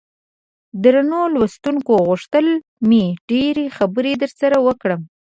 درنو لوستونکو غوښتل مې ډېرې خبرې درسره وکړم.